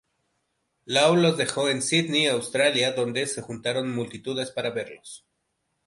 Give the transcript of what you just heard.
Law los dejó en Sydney, Australia, donde se juntaron multitudes para verlos.